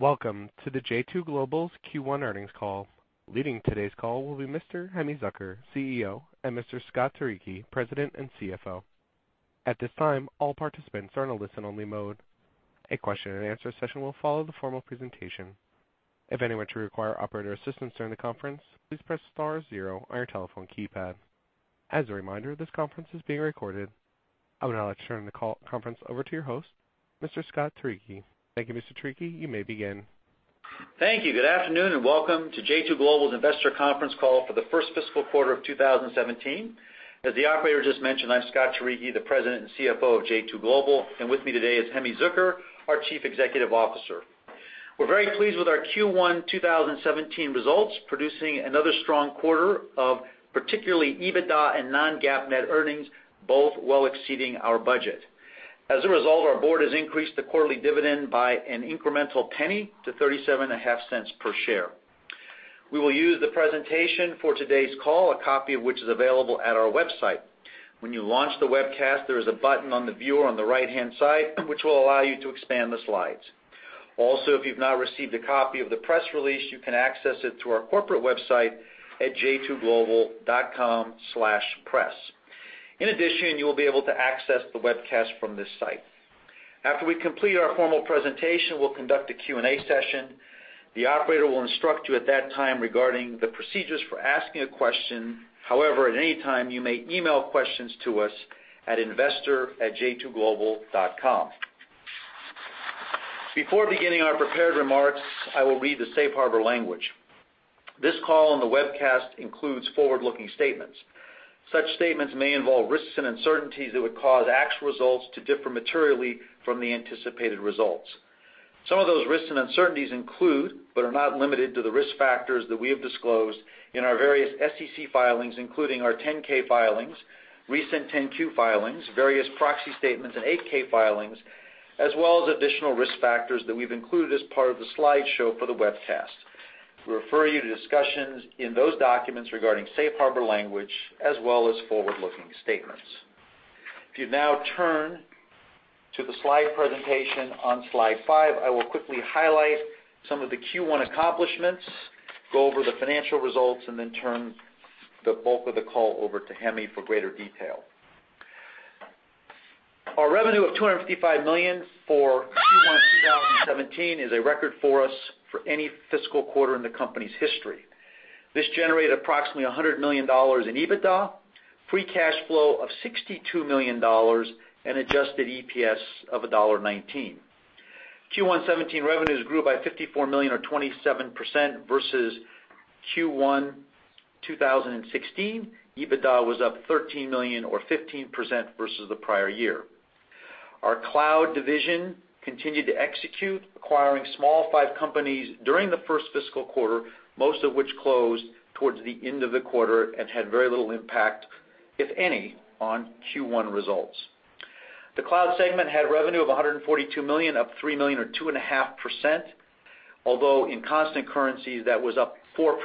Welcome to the j2 Global's Q1 earnings call. Leading today's call will be Mr. Hemi Zucker, CEO, and Mr. Scott Turicchi, President and CFO. At this time, all participants are in a listen-only mode. A question and answer session will follow the formal presentation. If anyone should require operator assistance during the conference, please press star zero on your telephone keypad. As a reminder, this conference is being recorded. I would now like to turn the conference over to your host, Mr. Scott Turicchi. Thank you, Mr. Turicchi. You may begin. Thank you. Good afternoon, and welcome to j2 Global's investor conference call for the first fiscal quarter of 2017. As the operator just mentioned, I'm Scott Turicchi, the President and CFO of j2 Global, and with me today is Hemi Zucker, our Chief Executive Officer. We're very pleased with our Q1 2017 results, producing another strong quarter of particularly EBITDA and non-GAAP net earnings, both well exceeding our budget. As a result, our board has increased the quarterly dividend by an incremental $0.01 to $0.375 per share. We will use the presentation for today's call, a copy of which is available at our website. When you launch the webcast, there is a button on the viewer on the right-hand side, which will allow you to expand the slides. Also, if you've not received a copy of the press release, you can access it through our corporate website at j2global.com/press. In addition, you will be able to access the webcast from this site. After we complete our formal presentation, we'll conduct a Q&A session. The operator will instruct you at that time regarding the procedures for asking a question. However, at any time, you may email questions to us at investor@j2global.com. Before beginning our prepared remarks, I will read the safe harbor language. This call on the webcast includes forward-looking statements. Such statements may involve risks and uncertainties that would cause actual results to differ materially from the anticipated results. Some of those risks and uncertainties include, but are not limited to, the risk factors that we have disclosed in our various SEC filings, including our 10-K filings, recent 10-Q filings, various proxy statements and 8-K filings, as well as additional risk factors that we've included as part of the slideshow for the webcast. We refer you to discussions in those documents regarding safe harbor language as well as forward-looking statements. If you now turn to the slide presentation on slide five, I will quickly highlight some of the Q1 accomplishments, go over the financial results, and then turn the bulk of the call over to Hemi for greater detail. Our revenue of $255 million for Q1 2017 is a record for us for any fiscal quarter in the company's history. This generated approximately $100 million in EBITDA, free cash flow of $62 million, and adjusted EPS of $1.19. Q1 2017 revenues grew by $54 million or 27% versus Q1 2016. EBITDA was up $13 million or 15% versus the prior year. Our cloud division continued to execute, acquiring five companies during the first fiscal quarter, most of which closed towards the end of the quarter and had very little impact, if any, on Q1 results. The cloud segment had revenue of $142 million, up $3 million or 2.5%, although in constant currencies, that was up 4%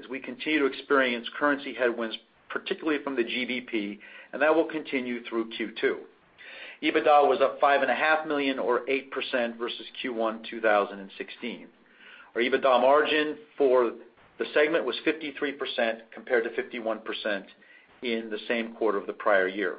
as we continue to experience currency headwinds, particularly from the GBP, and that will continue through Q2. EBITDA was up $5.5 million or 8% versus Q1 2016. Our EBITDA margin for the segment was 53% compared to 51% in the same quarter of the prior year.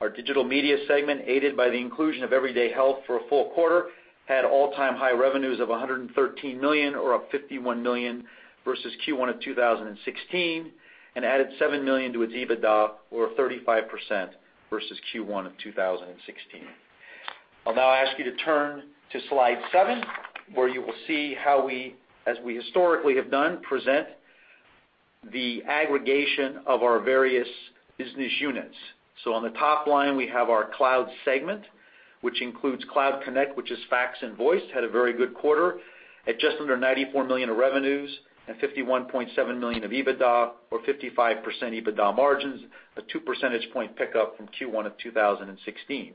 Our digital media segment, aided by the inclusion of Everyday Health for a full quarter, had all-time high revenues of $113 million or up $51 million versus Q1 of 2016 and added $7 million to its EBITDA, or 35% versus Q1 of 2016. I'll now ask you to turn to slide seven, where you will see how we, as we historically have done, present the aggregation of our various business units. On the top line, we have our cloud segment, which includes Cloud Connect, which is fax and voice, had a very good quarter at just under $94 million of revenues and $51.7 million of EBITDA or 55% EBITDA margins, a two percentage point pickup from Q1 of 2016.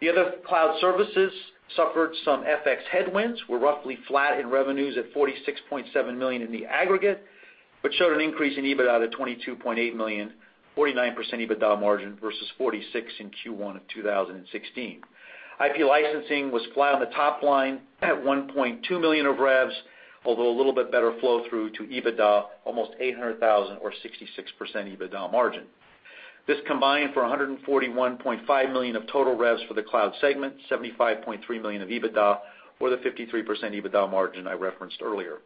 The other cloud services suffered some FX headwinds, were roughly flat in revenues at $46.7 million in the aggregate, but showed an increase in EBITDA to $22.8 million, 49% EBITDA margin versus 46% in Q1 of 2016. IP licensing was flat on the top line at $1.2 million of revs, although a little bit better flow-through to EBITDA, almost $800,000 or 66% EBITDA margin. This combined for $141.5 million of total revs for the cloud segment, $75.3 million of EBITDA or the 53% EBITDA margin I referenced earlier.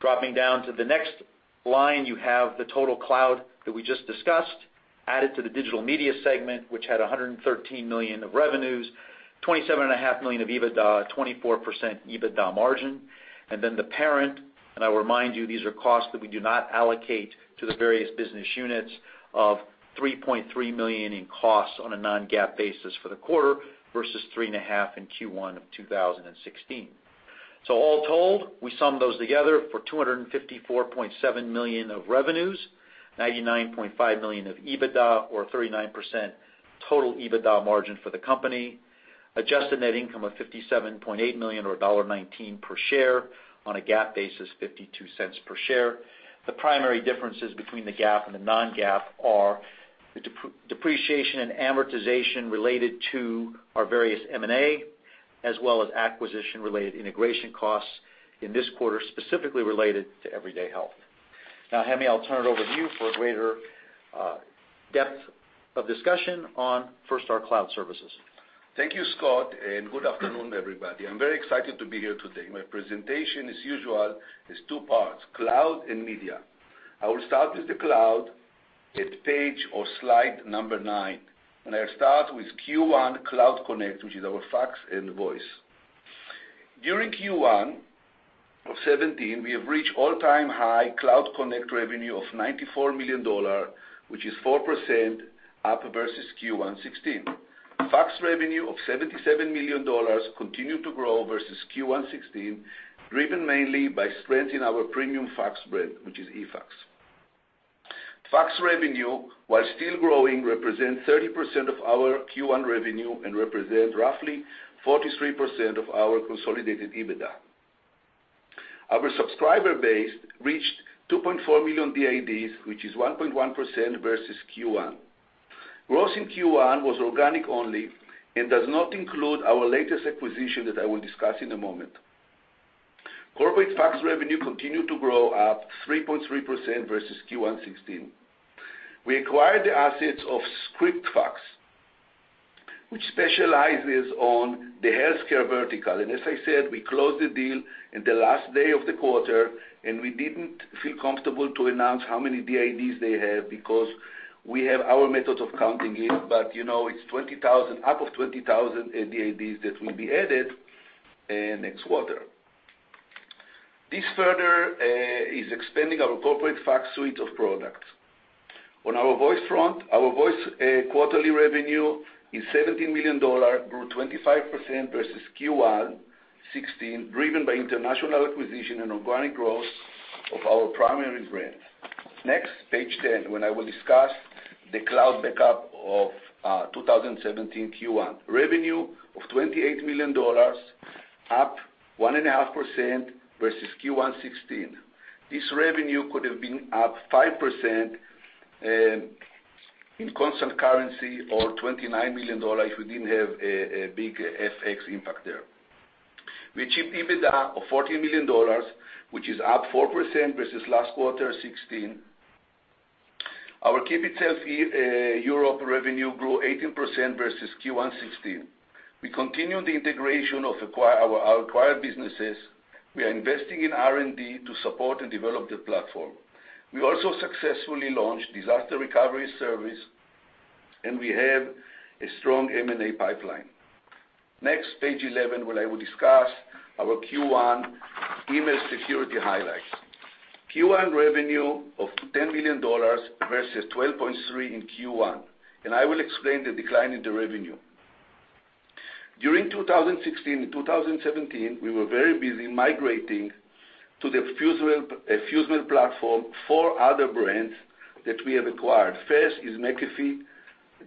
Dropping down to the next line, you have the total cloud that we just discussed, added to the digital media segment, which had $113 million of revenues, $27.5 million of EBITDA, 24% EBITDA margin. The parent, and I'll remind you, these are costs that we do not allocate to the various business units of $3.3 million in costs on a non-GAAP basis for the quarter versus $3.5 million in Q1 of 2016. All told, we sum those together for $254.7 million of revenues, $99.5 million of EBITDA or 39% total EBITDA margin for the company, adjusted net income of $57.8 million or $1.19 per share on a GAAP basis, $0.52 per share. The primary differences between the GAAP and the non-GAAP are the depreciation and amortization related to our various M&A as well as acquisition-related integration costs in this quarter, specifically related to Everyday Health. Hemi, I'll turn it over to you for a greater depth of discussion on our cloud services. Thank you, Scott, and good afternoon, everybody. I am very excited to be here today. My presentation, as usual, is two parts, Cloud and Media. I will start with the Cloud at page or slide number nine, and I will start with Q1 Cloud Connect, which is our fax and voice. During Q1 2017, we have reached all-time high Cloud Connect revenue of $94 million, which is 4% up versus Q1 2016. Fax revenue of $77 million continued to grow versus Q1 2016, driven mainly by strength in our premium fax brand, which is eFax. Fax revenue, while still growing, represents 30% of our Q1 revenue and represents roughly 43% of our consolidated EBITDA. Our subscriber base reached 2.4 million DIDs, which is 1.1% versus Q1. Growth in Q1 was organic only and does not include our latest acquisition that I will discuss in a moment. Corporate fax revenue continued to grow up 3.3% versus Q1 2016. We acquired the assets of ScriptFax, which specializes on the healthcare vertical. As I said, we closed the deal in the last day of the quarter, and we did not feel comfortable to announce how many DIDs they have because we have our methods of counting it. It is up of 20,000 DIDs that will be added in next quarter. This further is expanding our corporate fax suite of products. On our voice front, our voice quarterly revenue is $17 million, grew 25% versus Q1 2016, driven by international acquisition and organic growth of our primary brand. Next, page 10, when I will discuss the Cloud Backup of 2017 Q1. Revenue of $28 million, up 1.5% versus Q1 2016. This revenue could have been up 5% in constant currency or $29 million if we did not have a big FX impact there. We achieved EBITDA of $14 million, which is up 4% versus last quarter 2016. Our KeepItSafe Europe revenue grew 18% versus Q1 2016. We continue the integration of our acquired businesses. We are investing in R&D to support and develop the platform. We also successfully launched disaster recovery service, and we have a strong M&A pipeline. Next, page 11, where I will discuss our Q1 email security highlights. Q1 revenue of $10 million versus $12.3 million in Q1, and I will explain the decline in the revenue. During 2016 and 2017, we were very busy migrating to the FuseMail platform, four other brands that we have acquired. First is McAfee,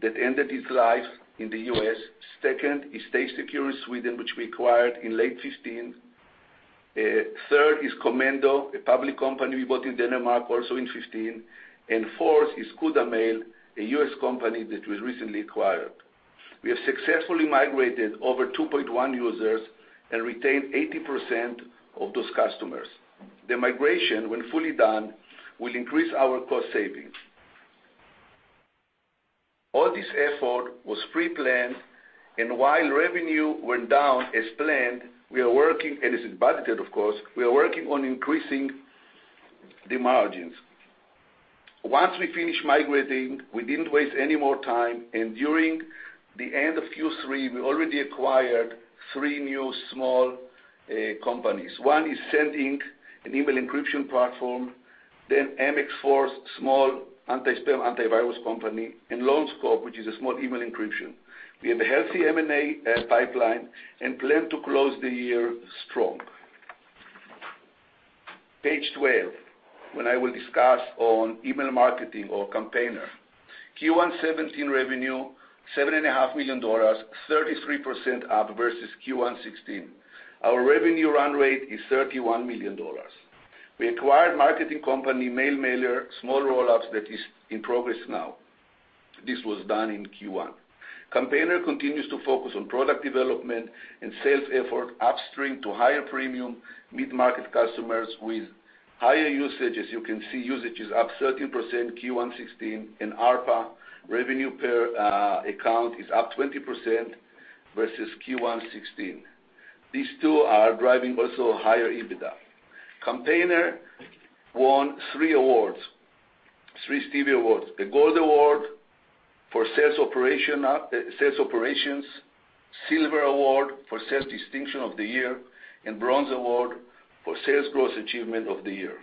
that ended its life in the U.S. Second is Stay Secure in Sweden, which we acquired in late 2015. Third is Comendo, a public company we bought in Denmark, also in 2015. Fourth is CudaMail, a U.S. company that was recently acquired. We have successfully migrated over 2.1 million users and retained 80% of those customers. The migration, when fully done, will increase our cost savings. All this effort was pre-planned, and while revenue went down as planned, and as is budgeted of course, we are working on increasing the margins. Once we finished migrating, we did not waste any more time, and during the end of Q3, we already acquired three new small companies. One is Sendinc, an email encryption platform, then MX Force, small anti-spam, antivirus company, and Lone Scope, which is a small email encryption. We have a healthy M&A pipeline and plan to close the year strong. Page 12. I will discuss email marketing or Campaigner. Q1 2017 revenue, $7.5 million, 33% up versus Q1 2016. Our revenue run rate is $31 million. We acquired marketing company, MailMailer, small roll-ups that is in progress now. This was done in Q1. Campaigner continues to focus on product development and sales effort upstream to higher premium mid-market customers with higher usage. As you can see, usage is up 13% Q1 2016, and ARPA revenue per account is up 20% versus Q1 2016. These two are driving also higher EBITDA. Campaigner won three awards, three Stevie Awards. The Gold Award for Sales Operations, Silver Award for Sales Distinction of the Year, and Bronze Award for Sales Growth Achievement of the Year.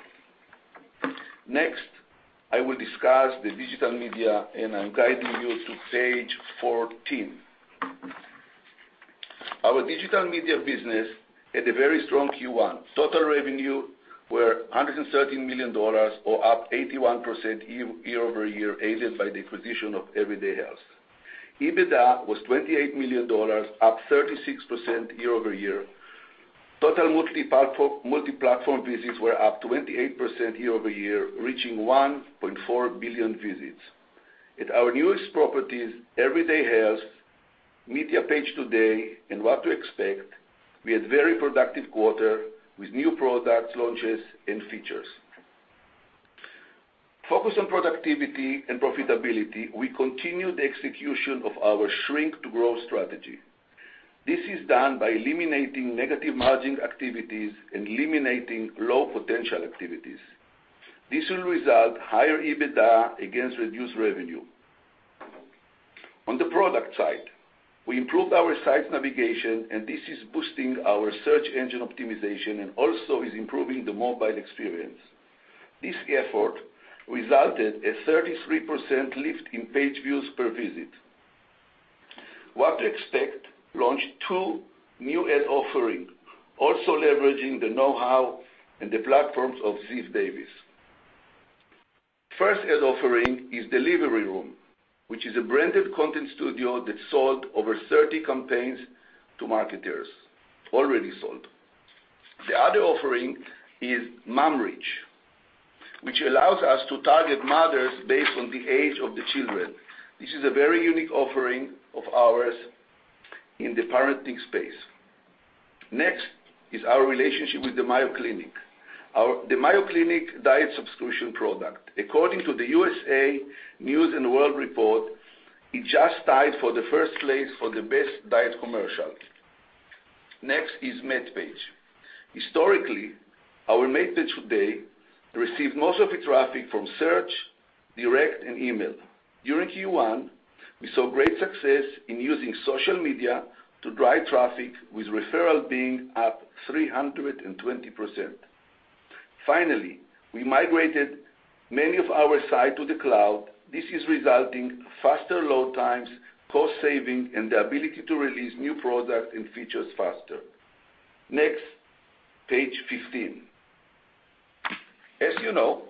I will discuss the digital media. I'm guiding you to page 14. Our digital media business had a very strong Q1. Total revenue were $113 million or up 81% year-over-year, aided by the acquisition of Everyday Health. EBITDA was $28 million, up 36% year-over-year. Total multi-platform visits were up 28% year-over-year, reaching 1.4 billion visits. At our newest properties, Everyday Health, MedPage Today, and What to Expect, we had very productive quarter with new product launches and features. Focus on productivity and profitability, we continue the execution of our shrink to growth strategy. This is done by eliminating negative margin activities and eliminating low potential activities. This will result in higher EBITDA against reduced revenue. On the product side, we improved our site navigation. This is boosting our search engine optimization and also is improving the mobile experience. This effort resulted in a 33% lift in page views per visit. What to Expect launched two new ad offering, also leveraging the know-how and the platforms of Ziff Davis. First ad offering is Delivery Room, which is a branded content studio that sold over 30 campaigns to marketers, already sold. The other offering is MomReach, which allows us to target mothers based on the age of the children. This is a very unique offering of ours in the parenting space. Our relationship with the Mayo Clinic. The Mayo Clinic diet subscription product. According to the U.S. News & World Report, it just tied for the first place for the best diet commercial. MedPage. Historically, our MedPage Today received most of its traffic from search, direct, and email. During Q1, we saw great success in using social media to drive traffic, with referrals being up 320%. Finally, we migrated many of our site to the cloud. This is resulting in faster load times, cost saving, and the ability to release new product and features faster. Page 15. As you know,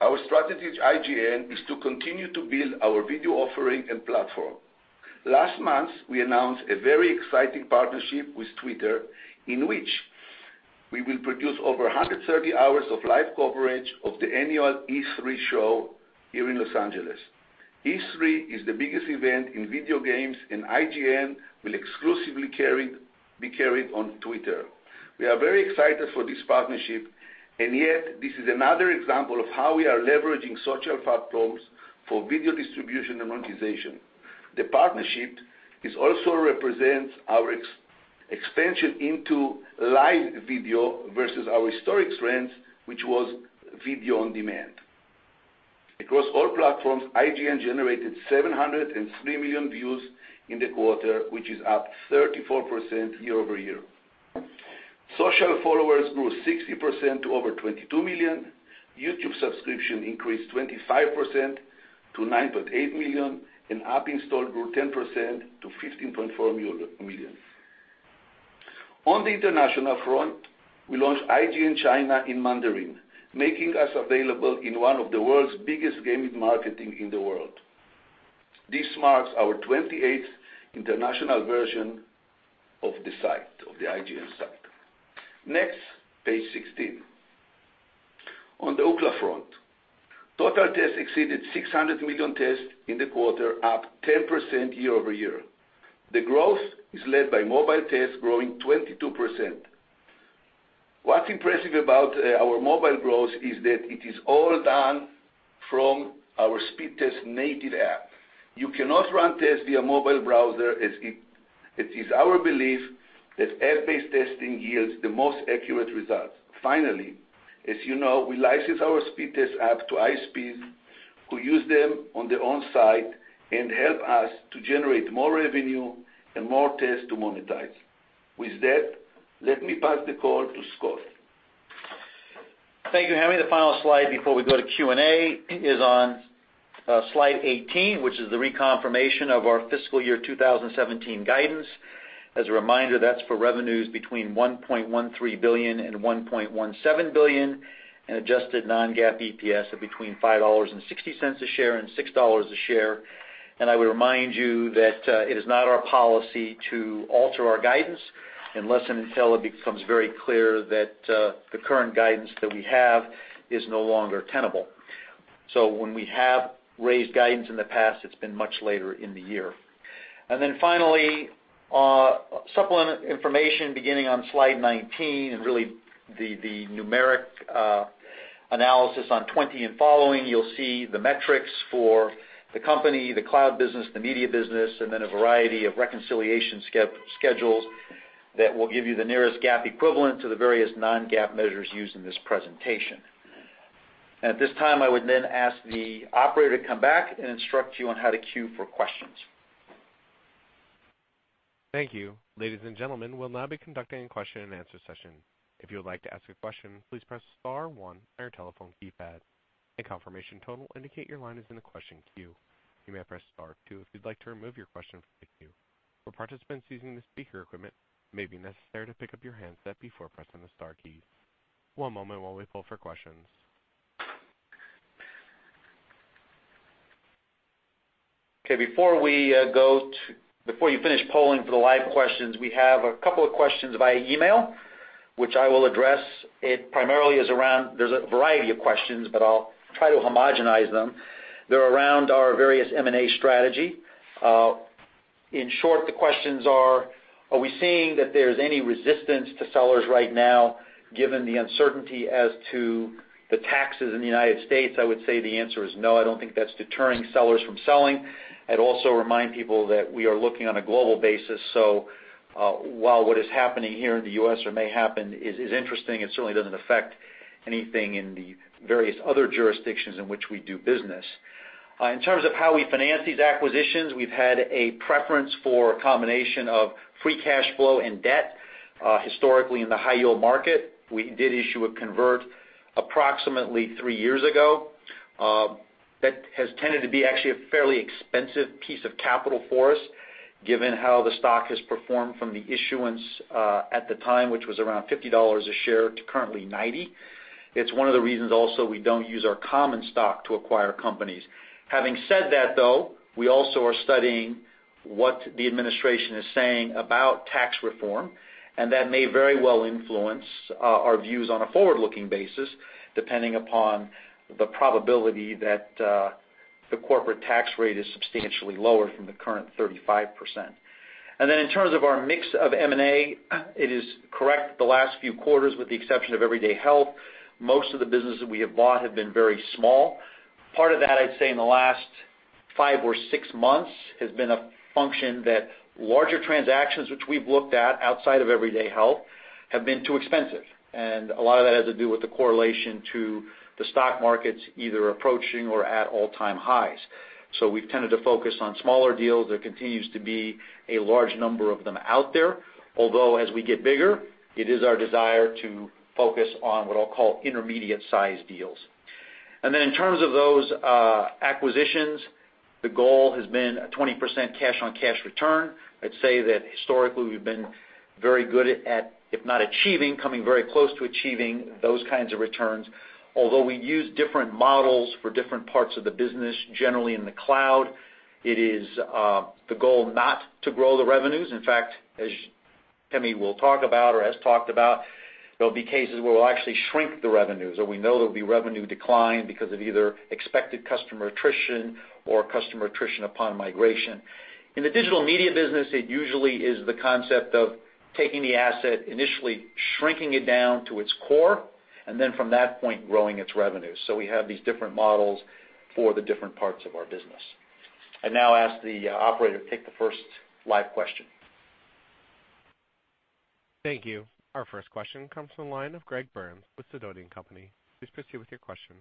our strategy at IGN is to continue to build our video offering and platform. Last month, we announced a very exciting partnership with Twitter, in which we will produce over 130 hours of live coverage of the annual E3 show here in Los Angeles. E3 is the biggest event in video games. IGN will exclusively be carried on Twitter. Yet this is another example of how we are leveraging social platforms for video distribution and monetization. The partnership is also represents our expansion into live video versus our historic trends, which was video on demand. Across all platforms, IGN generated 703 million views in the quarter, which is up 34% year-over-year. Social followers grew 60% to over 22 million. YouTube subscription increased 25% to 9.8 million, and app install grew 10% to 15.4 million. On the international front, we launched IGN China in Mandarin, making us available in one of the world's biggest gaming marketing in the world. This marks our 28th international version of the site, of the IGN site. Next, page 16. On the Ookla front, total tests exceeded 600 million tests in the quarter, up 10% year-over-year. The growth is led by mobile tests growing 22%. What's impressive about our mobile growth is that it is all done from our Speedtest native app. You cannot run tests via mobile browser, as it is our belief that app-based testing yields the most accurate results. Finally, as you know, we license our Speedtest app to ISPs who use them on their own site and help us to generate more revenue and more tests to monetize. With that, let me pass the call to Scott. Thank you, Hemi. The final slide before we go to Q&A is on slide 18, which is the reconfirmation of our fiscal year 2017 guidance. As a reminder, that's for revenues between $1.13 billion and $1.17 billion, and adjusted non-GAAP EPS of between $5.60 a share and $6 a share. I would remind you that it is not our policy to alter our guidance unless and until it becomes very clear that the current guidance that we have is no longer tenable. When we have raised guidance in the past, it's been much later in the year. Finally, supplement information beginning on slide 19 and really the numeric analysis on 20 and following. You'll see the metrics for the company, the Cloud Connect business, the Digital Media business, and a variety of reconciliation schedules that will give you the nearest GAAP equivalent to the various non-GAAP measures used in this presentation. At this time, I would then ask the operator to come back and instruct you on how to queue for questions. Thank you. Ladies and gentlemen, we will now be conducting a question and answer session. If you would like to ask a question, please press star one on your telephone keypad. A confirmation tone will indicate your line is in the question queue. You may press star two if you would like to remove your question from the queue. For participants using the speaker equipment, it may be necessary to pick up your handset before pressing the star keys. One moment while we poll for questions. Okay, before you finish polling for the live questions, we have a couple of questions via email, which I will address. There is a variety of questions, but I will try to homogenize them. They are around our various M&A strategy. In short, the questions are we seeing that there is any resistance to sellers right now, given the uncertainty as to the taxes in the U.S.? I would say the answer is no. I do not think that is deterring sellers from selling. I would also remind people that we are looking on a global basis, so while what is happening here in the U.S. or may happen is interesting, it certainly does not affect anything in the various other jurisdictions in which we do business. In terms of how we finance these acquisitions, we have had a preference for a combination of free cash flow and debt historically in the high-yield market. We did issue a convert approximately three years ago. That has tended to be actually a fairly expensive piece of capital for us, given how the stock has performed from the issuance at the time, which was around $50 a share, to currently $90. It is one of the reasons also we do not use our common stock to acquire companies. Having said that, though, we also are studying what the administration is saying about tax reform, that may very well influence our views on a forward-looking basis, depending upon the probability that the corporate tax rate is substantially lower from the current 35%. Then in terms of our mix of M&A, it is correct the last few quarters, with the exception of Everyday Health, most of the businesses we have bought have been very small. Part of that, I would say in the last five or six months, has been a function that larger transactions which we have looked at outside of Everyday Health have been too expensive. A lot of that has to do with the correlation to the stock markets either approaching or at all-time highs. We have tended to focus on smaller deals. There continues to be a large number of them out there, although as we get bigger, it is our desire to focus on what I will call intermediate size deals. Then in terms of those acquisitions, the goal has been a 20% cash-on-cash return. I would say that historically we have been very good at, if not achieving, coming very close to achieving those kinds of returns. Although we use different models for different parts of the business, generally in the cloud, it is the goal not to grow the revenues. In fact, as Hemi will talk about or has talked about, there'll be cases where we'll actually shrink the revenues or we know there'll be revenue decline because of either expected customer attrition or customer attrition upon migration. In the digital media business, it usually is the concept of taking the asset, initially shrinking it down to its core, and then from that point, growing its revenue. We have these different models for the different parts of our business. I now ask the operator to take the first live question. Thank you. Our first question comes from the line of Greg Burns with Sidoti & Company. Please proceed with your question.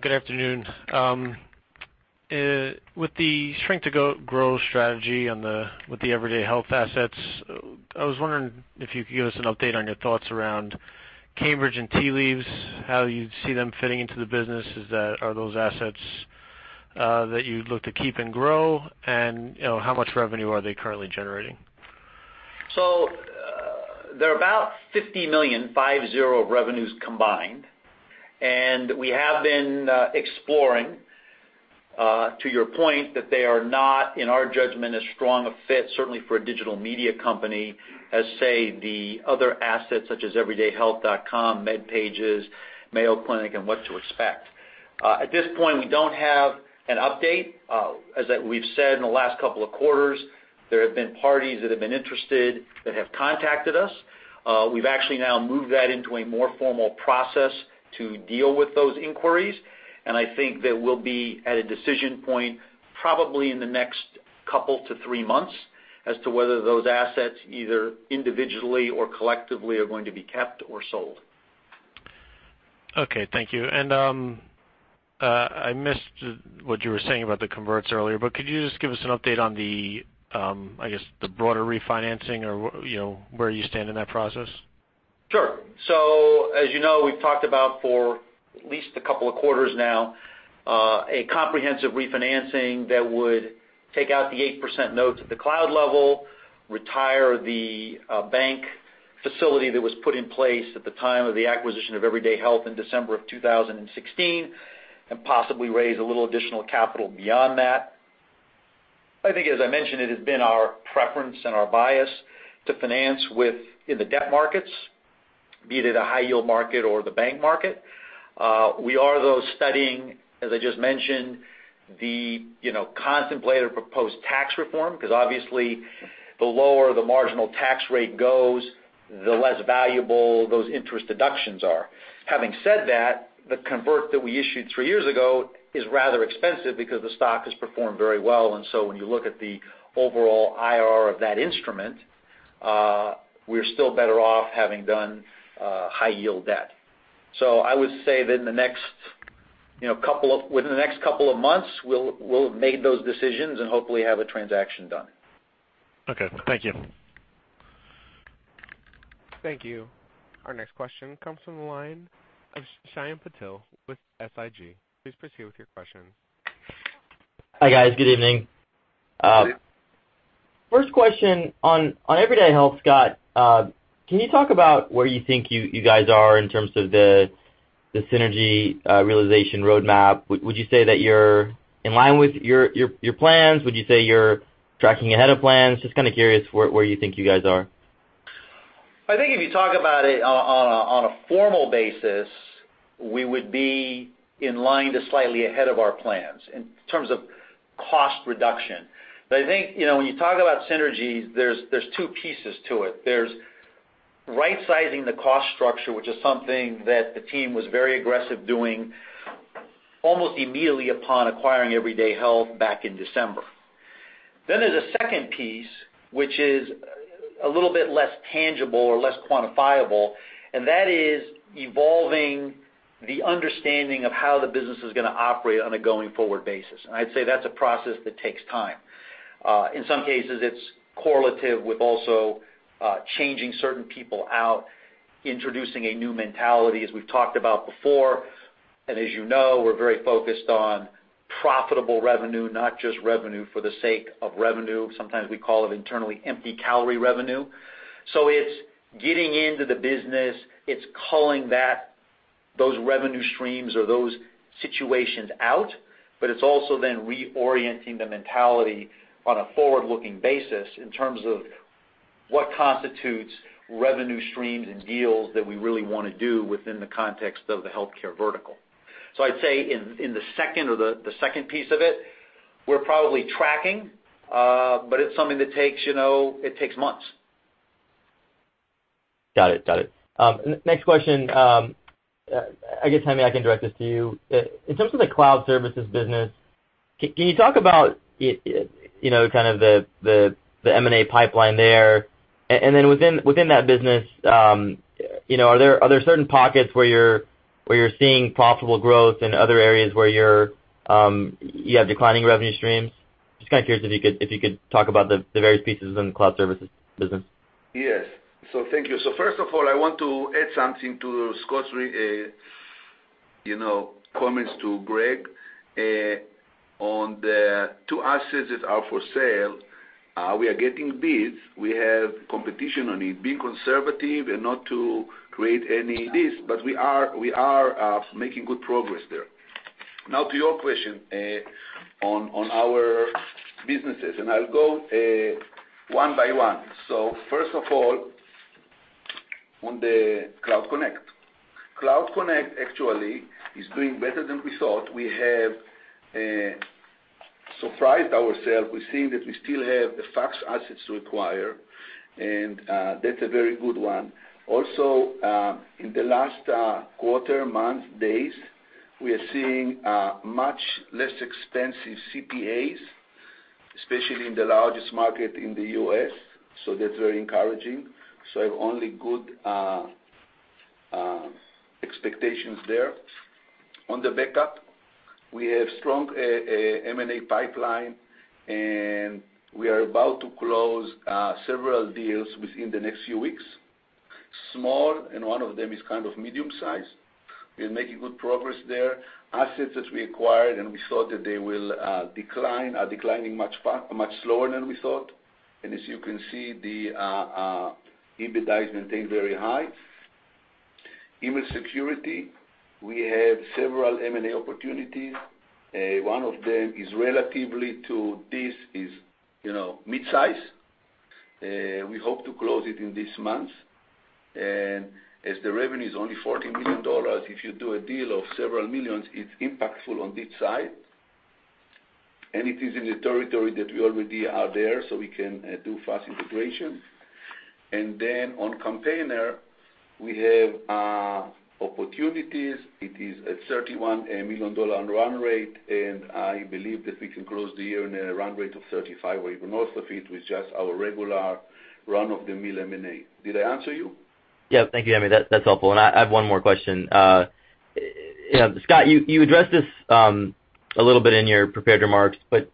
Good afternoon. With the shrink to grow strategy with the Everyday Health assets, I was wondering if you could give us an update on your thoughts around Cambridge and Tea Leaves, how you see them fitting into the business. Are those assets that you'd look to keep and grow? How much revenue are they currently generating? They're about $50 million, five, zero, revenues combined. We have been exploring, to your point, that they are not, in our judgment, as strong a fit, certainly for a digital media company as, say, the other assets such as everydayhealth.com, MedPage Today, Mayo Clinic, and What to Expect. At this point, we don't have an update. As we've said in the last couple of quarters, there have been parties that have been interested that have contacted us. We've actually now moved that into a more formal process to deal with those inquiries, and I think that we'll be at a decision point probably in the next 2 to 3 months as to whether those assets, either individually or collectively, are going to be kept or sold. Okay, thank you. I missed what you were saying about the converts earlier, but could you just give us an update on the broader refinancing or where you stand in that process? Sure. As you know, we've talked about for at least a couple of quarters now a comprehensive refinancing that would take out the 8% notes at the cloud level, retire the bank facility that was put in place at the time of the acquisition of Everyday Health in December of 2016, possibly raise a little additional capital beyond that. I think as I mentioned, it has been our preference and our bias to finance within the debt markets, be it at a high-yield market or the bank market. We are, though, studying, as I just mentioned, the contemplated proposed tax reform because obviously the lower the marginal tax rate goes, the less valuable those interest deductions are. Having said that, the convert that we issued three years ago is rather expensive because the stock has performed very well, when you look at the overall IRR of that instrument, we're still better off having done high-yield debt. I would say that within the next couple of months, we'll have made those decisions and hopefully have a transaction done. Okay. Thank you. Thank you. Our next question comes from the line of Shyam Patil with SIG. Please proceed with your question. Hi, guys. Good evening. Good evening. First question on Everyday Health, Scott, can you talk about where you think you guys are in terms of the synergy realization roadmap? Would you say that you're in line with your plans? Would you say you're tracking ahead of plans? Just kind of curious where you think you guys are. I think if you talk about it on a formal basis, we would be in line to slightly ahead of our plans in terms of cost reduction. I think, when you talk about synergies, there's two pieces to it. There's right-sizing the cost structure, which is something that the team was very aggressive doing almost immediately upon acquiring Everyday Health back in December. There's a second piece, which is a little bit less tangible or less quantifiable, and that is evolving the understanding of how the business is going to operate on a going-forward basis. I'd say that's a process that takes time. In some cases, it's correlative with also changing certain people out, introducing a new mentality, as we've talked about before. As you know, we're very focused on profitable revenue, not just revenue for the sake of revenue. Sometimes we call it internally empty-calorie revenue. It's getting into the business. It's calling those revenue streams or those situations out, but it's also then reorienting the mentality on a forward-looking basis in terms of what constitutes revenue streams and deals that we really want to do within the context of the healthcare vertical. I'd say in the second piece of it, we're probably tracking, but it's something that takes months. Got it. Next question. I guess, Hemi, I can direct this to you. In terms of the M&A pipeline there? Then within that business, are there certain pockets where you're seeing profitable growth in other areas where you have declining revenue streams? Just kind of curious if you could talk about the various pieces in the cloud services business. Yes. Thank you. First of all, I want to add something to Scott's comments to Greg, on the two assets that are for sale. We are getting bids. We have competition on it. Being conservative and not to create any bids, but we are making good progress there. To your question, on our businesses, and I'll go one by one. First of all, on the Cloud Connect. Cloud Connect actually is doing better than we thought. We have surprised ourselves. We're seeing that we still have the fax assets to acquire, and that's a very good one. Also, in the last quarter, month, days, we are seeing much less expensive CPAs, especially in the largest market in the U.S., so that's very encouraging. I have only good expectations there. On the backup, we have strong M&A pipeline. We are about to close several deals within the next few weeks. Small, one of them is kind of medium-sized. We're making good progress there. Assets that we acquired, and we thought that they will decline, are declining much slower than we thought. As you can see, the EBITDA has maintained very high. Email security, we have several M&A opportunities. One of them is relatively to this is mid-size. We hope to close it in this month. As the revenue is only $40 million, if you do a deal of several millions, it's impactful on this side, and it is in the territory that we already are there, so we can do fast integration. On Campaigner, we have opportunities. It is a $31 million run rate. I believe that we can close the year on a run rate of $35 million or even most of it with just our regular run-of-the-mill M&A. Did I answer you? Yeah. Thank you, Hemi. That's helpful. I have one more question. Scott, you addressed this a little bit in your prepared remarks, but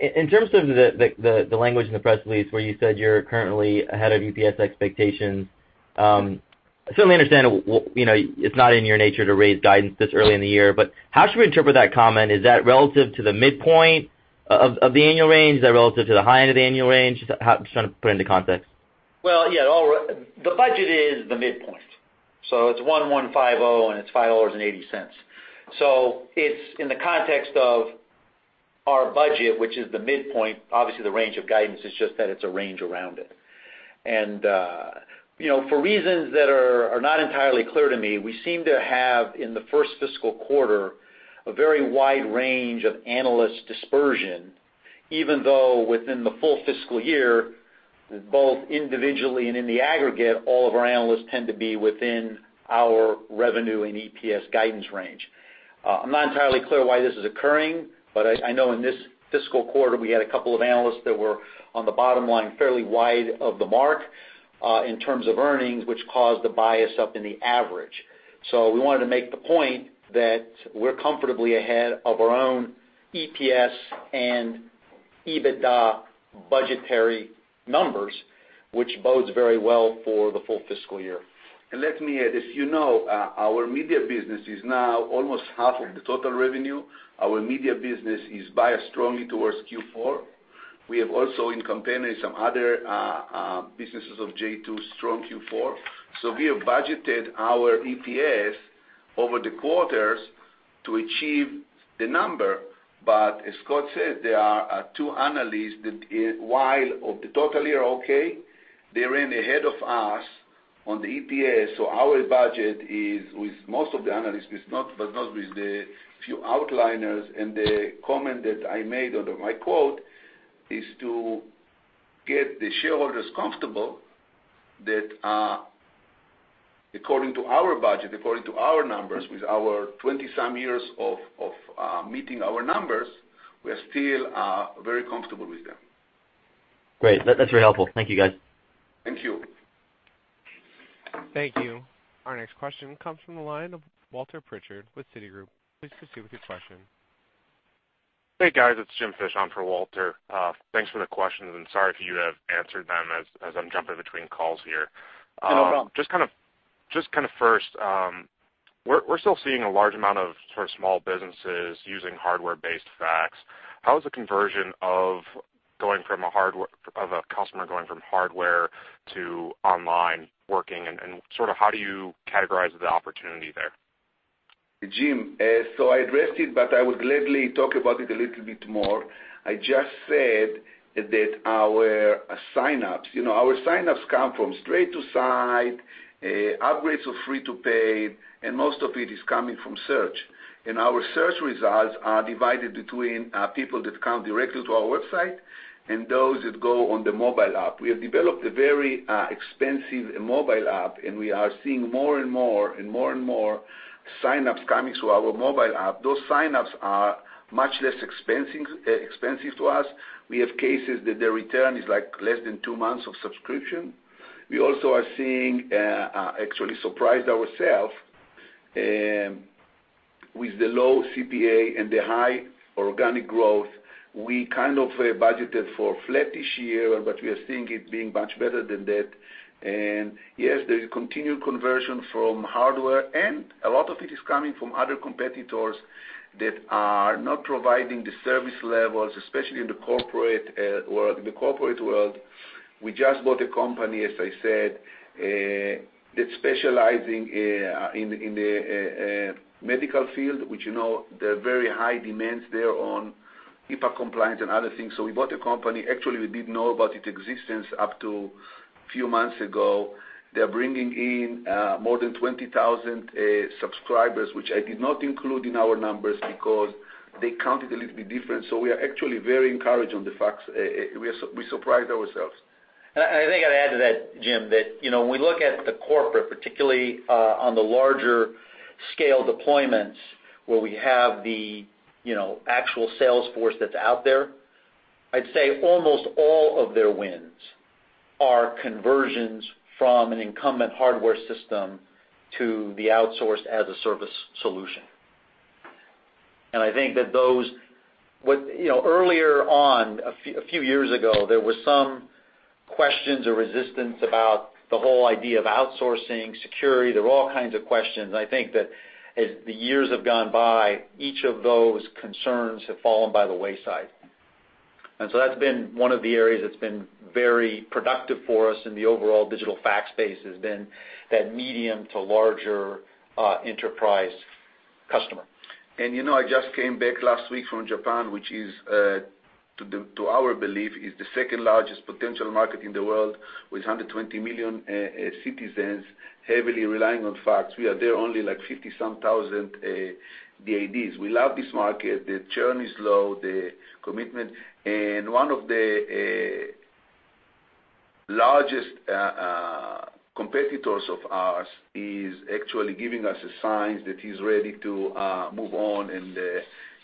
in terms of the language in the press release where you said you're currently ahead of EPS expectations, I certainly understand, it's not in your nature to raise guidance this early in the year, but how should we interpret that comment? Is that relative to the midpoint of the annual range? Is that relative to the high end of the annual range? Just trying to put it into context. Well, yeah. The budget is the midpoint, so it's $1,150, and it's $5.80. It's in the context of our budget, which is the midpoint. Obviously, the range of guidance is just that it's a range around it. For reasons that are not entirely clear to me, we seem to have, in the first fiscal quarter, a very wide range of analyst dispersion, even though within the full fiscal year, both individually and in the aggregate, all of our analysts tend to be within our revenue and EPS guidance range. I'm not entirely clear why this is occurring, but I know in this fiscal quarter, we had a couple of analysts that were on the bottom line, fairly wide of the mark, in terms of earnings, which caused the bias up in the average. We wanted to make the point that we're comfortably ahead of our own EPS and EBITDA budgetary numbers, which bodes very well for the full fiscal year. Let me add, as you know, our media business is now almost half of the total revenue. Our media business is biased strongly towards Q4. We have also, in comparison, some other businesses of j2, strong Q4. We have budgeted our EPS over the quarters to achieve the number. As Scott said, there are two analysts that while of the total year okay, they ran ahead of us on the EPS. Our budget is with most of the analysts, but not with the few outliers. The comment that I made under my quote is to get the shareholders comfortable that according to our budget, according to our numbers, with our 20-some years of meeting our numbers, we are still very comfortable with them. Great. That's very helpful. Thank you, guys. Thank you. Thank you. Our next question comes from the line of Walter Pritchard with Citigroup. Please proceed with your question. Hey, guys, it's James Fish on for Walter. Thanks for the questions, and sorry if you have answered them as I'm jumping between calls here. No problem. Kind of first, we're still seeing a large amount of small businesses using hardware-based fax. How is the conversion of a customer going from hardware to online working, and how do you categorize the opportunity there? Jim, I addressed it, but I would gladly talk about it a little bit more. I just said that our sign-ups come from straight to site, upgrades of free to paid, and most of it is coming from search. Our search results are divided between people that come directly to our website and those that go on the mobile app. We have developed a very expensive mobile app, and we are seeing more and more sign-ups coming to our mobile app. Those sign-ups are much less expensive to us. We have cases that their return is less than two months of subscription. We also are seeing, actually surprised ourself, with the low CPA and the high organic growth, we kind of budgeted for flat-ish year, but we are seeing it being much better than that. Yes, there is continued conversion from hardware, and a lot of it is coming from other competitors that are not providing the service levels, especially in the corporate world. We just bought a company, as I said, that's specializing in the medical field, which, you know there are very high demands there on HIPAA compliance and other things. We bought a company. Actually, we didn't know about its existence up to a few months ago. They're bringing in more than 20,000 subscribers, which I did not include in our numbers because they counted a little bit different. We are actually very encouraged on the facts. We surprised ourselves. I think I'd add to that, Jim, that when we look at the corporate, particularly on the larger scale deployments where we have the actual sales force that's out there, I'd say almost all of their wins are conversions from an incumbent hardware system to the outsourced as-a-service solution. I think that those, earlier on, a few years ago, there were some questions or resistance about the whole idea of outsourcing, security. There were all kinds of questions. I think that as the years have gone by, each of those concerns have fallen by the wayside. That's been one of the areas that's been very productive for us in the overall digital fax space, has been that medium to larger enterprise customer. I just came back last week from Japan, which is, to our belief, is the second-largest potential market in the world, with 120 million citizens heavily relying on fax. We are there only, like, 50-some thousand DIDs. We love this market. The churn is low, the commitment. One of the largest competitors of ours is actually giving us signs that he's ready to move on.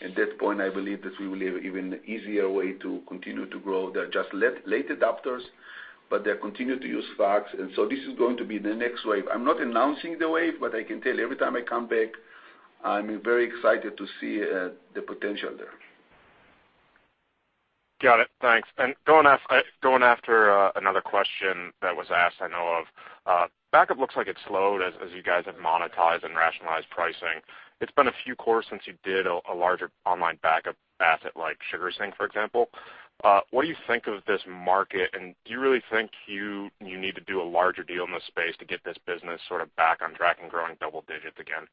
At that point, I believe that we will have even easier way to continue to grow. They're just late adapters, but they continue to use fax. This is going to be the next wave. I'm not announcing the wave, but I can tell every time I come back, I'm very excited to see the potential there. Got it. Thanks. Going after another question that was asked, I know of. Backup looks like it slowed as you guys have monetized and rationalized pricing. It has been a few quarters since you did a larger online backup asset like SugarSync, for example. What do you think of this market, and do you really think you need to do a larger deal in this space to get this business back on track and growing double digits again?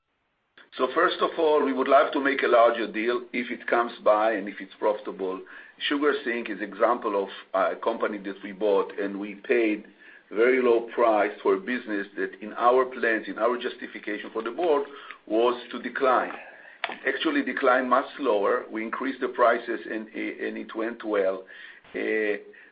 First of all, we would love to make a larger deal if it comes by and if it is profitable. SugarSync is example of a company that we bought, and we paid very low price for a business that in our plans, in our justification for the board, was to decline. It actually declined much lower. We increased the prices, and it went well.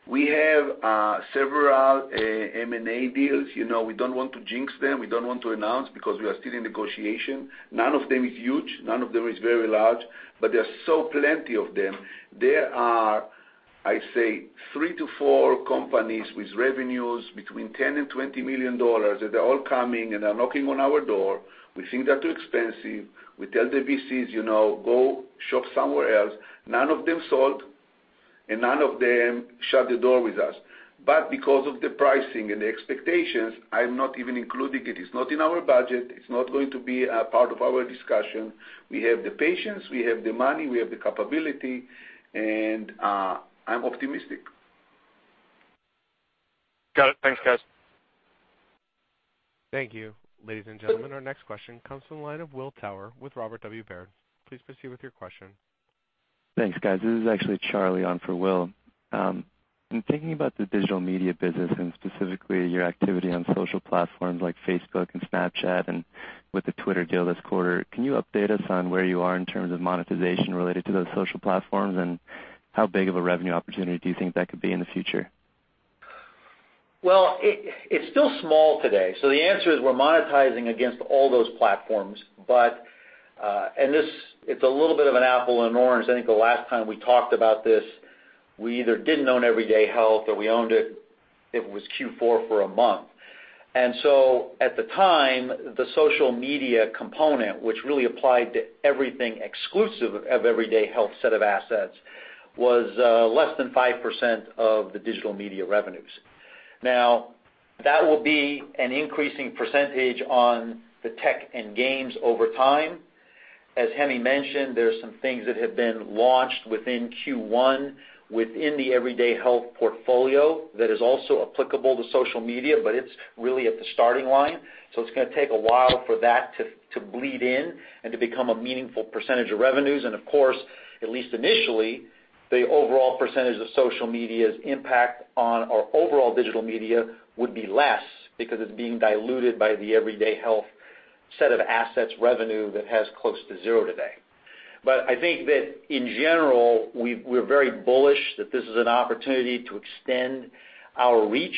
We have several M&A deals. We do not want to jinx them. We do not want to announce because we are still in negotiation. None of them is huge. None of them is very large, but there are plenty of them. There are, I would say, three to four companies with revenues between $10 million and $20 million, and they are all coming, and they are knocking on our door. We think they are too expensive. We tell the VCs, "Go shop somewhere else." None of them sold. None of them shut the door with us. Because of the pricing and the expectations, I am not even including it. It is not in our budget. It is not going to be a part of our discussion. We have the patience, we have the money, we have the capability, and I am optimistic. Got it. Thanks, guys. Thank you. Ladies and gentlemen, our next question comes from the line of Will Power with Robert W. Baird. Please proceed with your question. Thanks, guys. This is actually Charlie on for Will. In thinking about the Digital Media business and specifically your activity on social platforms like Facebook and Snapchat and with the Twitter deal this quarter, can you update us on where you are in terms of monetization related to those social platforms? How big of a revenue opportunity do you think that could be in the future? Well, it's still small today. The answer is we're monetizing against all those platforms. It's a little bit of an apple and orange. I think the last time we talked about this, we either didn't own Everyday Health or we owned it was Q4 for a month. At the time, the social media component, which really applied to everything exclusive of Everyday Health's set of assets, was less than 5% of the Digital Media revenues. That will be an increasing percentage on the tech and games over time. As Hemi mentioned, there's some things that have been launched within Q1, within the Everyday Health portfolio that is also applicable to social media, but it's really at the starting line. It's going to take a while for that to bleed in and to become a meaningful percentage of revenues. Of course, at least initially, the overall percentage of social media's impact on our overall Digital Media would be less because it's being diluted by the Everyday Health set of assets revenue that has close to zero today. I think that in general, we're very bullish that this is an opportunity to extend our reach,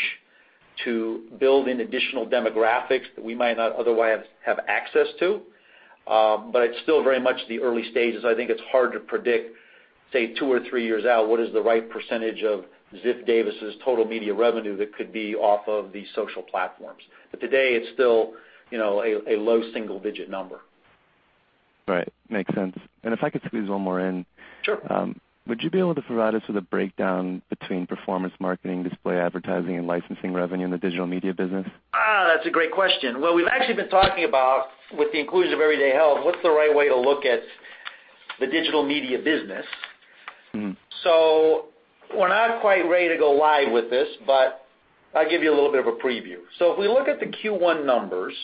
to build in additional demographics that we might not otherwise have access to. It's still very much the early stages. I think it's hard to predict, say, two or three years out what is the right percentage of Ziff Davis' total media revenue that could be off of these social platforms. Today it's still a low single-digit number. Right. Makes sense. If I could squeeze one more in. Sure. Would you be able to provide us with a breakdown between performance marketing, display advertising, and licensing revenue in the digital media business? That's a great question. Well, we've actually been talking about, with the inclusion of Everyday Health, what's the right way to look at the digital media business. We're not quite ready to go live with this, but I'll give you a little bit of a preview. If we look at the Q1 numbers,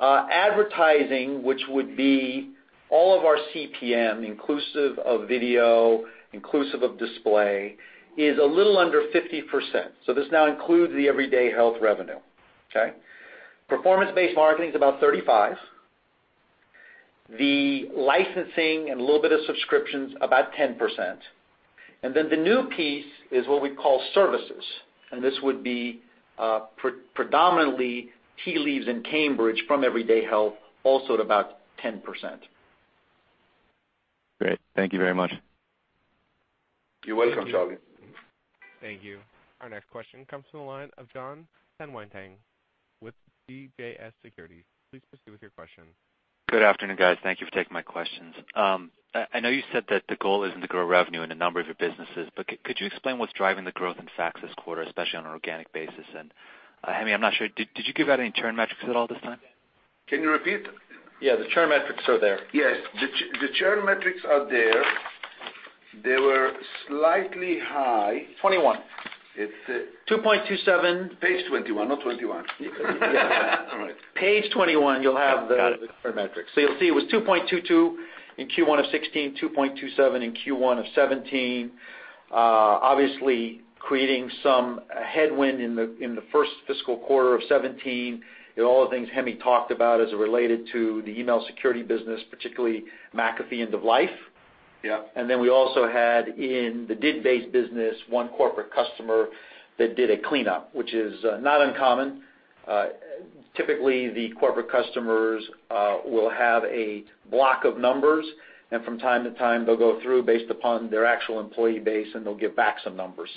advertising, which would be all of our CPM, inclusive of video, inclusive of display, is a little under 50%. This now includes the Everyday Health revenue. Okay? Performance-based marketing is about 35%. Licensing and a little bit of subscriptions, about 10%. Then the new piece is what we call services, and this would be predominantly Tea Leaves and Cambridge from Everyday Health, also at about 10%. Great. Thank you very much. You're welcome, Charlie. Thank you. Our next question comes from the line of Don Fahnestock with BWS Financial. Please proceed with your question. Good afternoon, guys. Thank you for taking my questions. I know you said that the goal is to grow revenue in a number of your businesses, could you explain what's driving the growth in fax this quarter, especially on an organic basis? Hemi, I'm not sure, did you give out any churn metrics at all this time? Can you repeat? Yeah, the churn metrics are there. Yes, the churn metrics are there. They were slightly high. Twenty-one. It's- 2.27- Page 21, not 21. Page 21, you'll have. Got it. Churn metrics. You'll see it was 2.22% in Q1 of 2016, 2.27% in Q1 of 2017. Obviously, creating some headwind in the first fiscal quarter of 2017 in all the things Hemi talked about as it related to the email security business, particularly McAfee end of life. Yeah. We also had in the DID-based business, one corporate customer that did a cleanup, which is not uncommon. Typically, the corporate customers will have a block of numbers, and from time to time, they'll go through based upon their actual employee base, and they'll give back some numbers.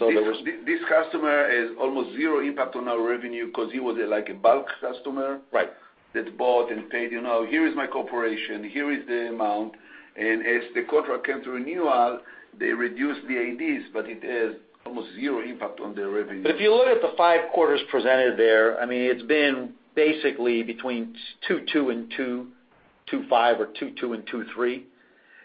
This customer is almost zero impact on our revenue because he was like a bulk customer. Right that bought and paid. "Here is my corporation. Here is the amount." As the contract came to renewal, they reduced the DIDs, it has almost zero impact on the revenue. If you look at the five quarters presented there, I mean, it's been basically between 2.2 and 2.25, or 2.2 and 2.3.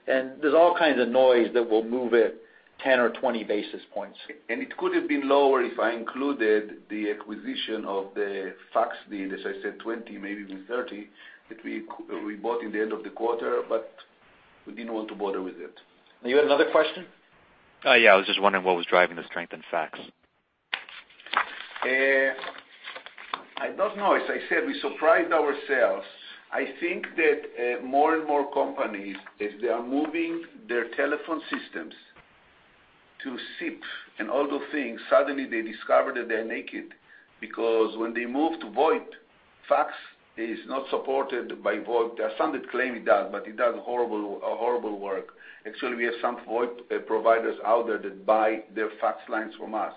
There's all kinds of noise that will move it 10 or 20 basis points. It could have been lower if I included the acquisition of the fax deal, as I said, 20, maybe even 30, that we bought in the end of the quarter, we didn't want to bother with it. You had another question? Yeah. I was just wondering what was driving the strength in fax. I don't know. As I said, we surprised ourselves. I think that more and more companies, as they are moving their telephone systems to SIP and all those things, suddenly they discover that they're naked because when they move to VoIP, fax is not supported by VoIP. There are some that claim it does, but it does horrible work. Actually, we have some VoIP providers out there that buy their fax lines from us.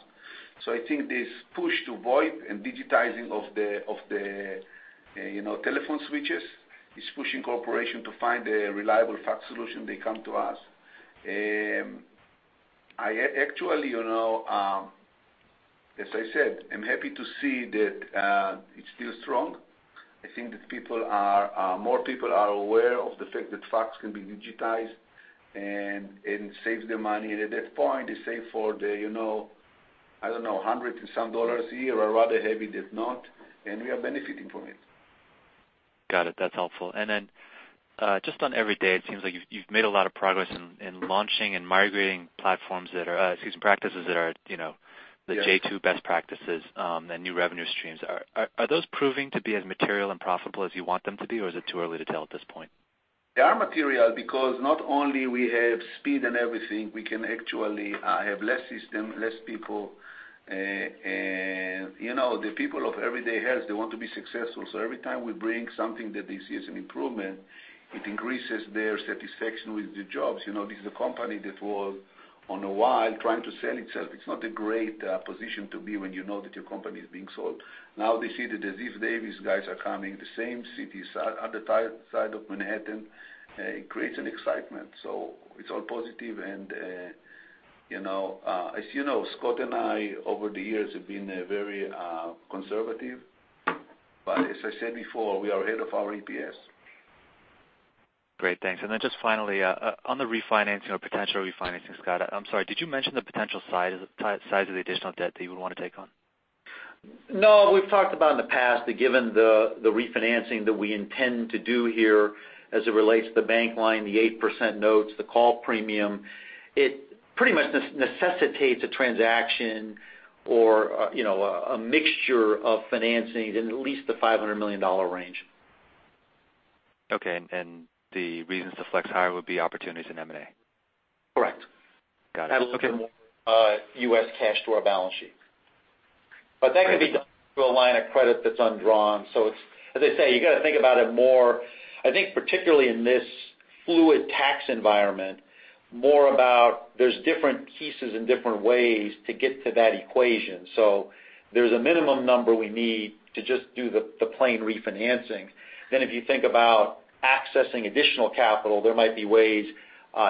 I think this push to VoIP and digitizing of the telephone switches is pushing corporations to find a reliable fax solution, they come to us. I actually, as I said, I'm happy to see that it's still strong. I think that more people are aware of the fact that fax can be digitized and it saves them money. At that point, they save for the, I don't know, $100 and some dollars a year are rather heavy that not. We are benefiting from it. Got it. That's helpful. Just on Everyday, it seems like you've made a lot of progress in launching and migrating practices. Yes The j2 best practices, and new revenue streams. Are those proving to be as material and profitable as you want them to be, or is it too early to tell at this point? They are material because not only we have speed and everything, we can actually have less system, less people. The people of Everyday Health, they want to be successful, so every time we bring something that they see as an improvement, it increases their satisfaction with the jobs. This is a company that was, on a while, trying to sell itself. It's not a great position to be when you know that your company is being sold. Now they see that the Ziff Davis guys are coming, the same city, other side of Manhattan, it creates an excitement. It's all positive and, as you know, Scott and I, over the years, have been very conservative. As I said before, we are ahead of our EPS. Great. Thanks. Just finally, on the refinancing or potential refinancing, Scott, I'm sorry, did you mention the potential size of the additional debt that you would want to take on? We've talked about in the past that given the refinancing that we intend to do here as it relates to the bank line, the 8% notes, the call premium, it pretty much necessitates a transaction or a mixture of financing in at least the $500 million range. The reasons to flex higher would be opportunities in M&A? Correct. Got it. Add a little bit more U.S. cash to our balance sheet. That can be done through a line of credit that's undrawn. It's, as I say, you got to think about it more, I think particularly in this fluid tax environment, more about there's different pieces and different ways to get to that equation. There's a minimum number we need to just do the plain refinancing. If you think about accessing additional capital, there might be ways,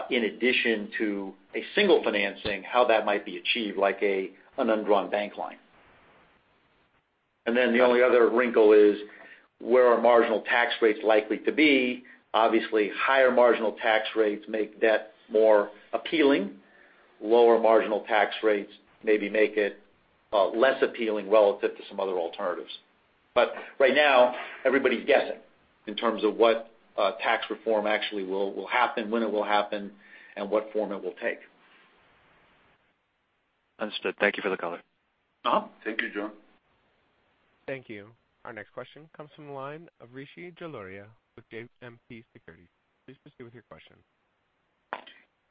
in addition to a single financing, how that might be achieved, like an undrawn bank line. The only other wrinkle is where are marginal tax rates likely to be. Obviously, higher marginal tax rates make debt more appealing. Lower marginal tax rates maybe make it less appealing relative to some other alternatives. Right now, everybody's guessing in terms of what tax reform actually will happen, when it will happen, and what form it will take. Understood. Thank you for the color. No. Thank you, Don. Thank you. Our next question comes from the line of Rishi Jaluria with JMP Securities. Please proceed with your question.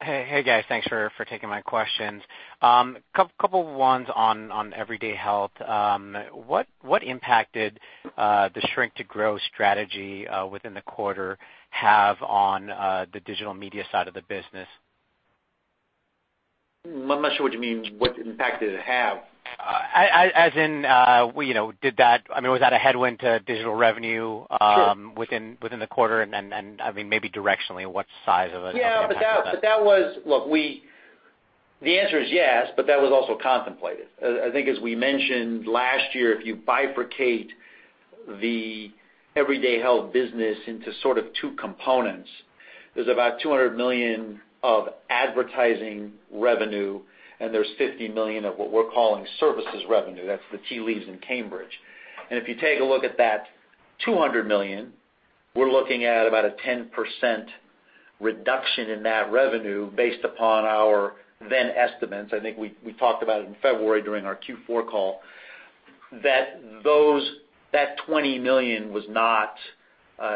Hey, guys. Thanks for taking my questions. Couple of ones on Everyday Health. What impact did the shrink to growth strategy within the quarter have on the digital media side of the business? I'm not sure what you mean, what impact did it have? As in, was that a headwind to digital revenue. Sure Then, maybe directionally, what size of an impact was that? The answer is yes, but that was also contemplated. I think as we mentioned last year, if you bifurcate the Everyday Health business into sort of two components, there's about $200 million of advertising revenue, and there's $50 million of what we're calling services revenue. That's the Tea Leaves and Cambridge. If you take a look at that $200 million, we're looking at about a 10% reduction in that revenue based upon our then estimates. I think we talked about it in February during our Q4 call, that that $20 million was not